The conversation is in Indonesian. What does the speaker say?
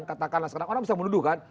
katakanlah sekarang orang bisa menuduh kan